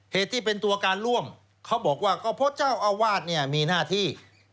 เหตุที่เป็นตัวการร่วมเขาบอกว่าก็เพราะเจ้าอาวาสเนี่ยมีหน้าที่